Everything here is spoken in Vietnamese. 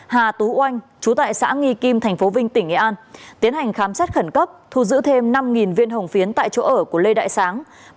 hà tú oanh chú tại xã nghi kim tp vinh tỉnh nghệ an tiến hành khám xét khẩn cấp thu giữ thêm năm viên hồng phiến tại chỗ ở của lê đại sáng